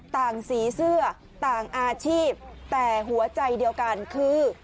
สีเสื้อต่างอาชีพแต่หัวใจเดียวกันคือ